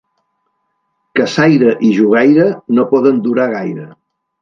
Caçaire i jugaire no poden durar gaire.